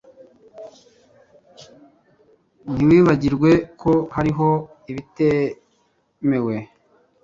Ntiwibagirwe ko hariho ibitemewe.